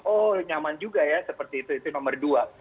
oh nyaman juga ya seperti itu itu nomor dua